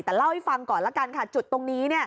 แต่เล่าให้ฟังก่อนละกันค่ะจุดตรงนี้